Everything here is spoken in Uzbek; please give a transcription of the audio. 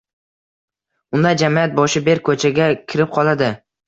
unday jamiyat boshi berk ko‘chaga kirib qoladi.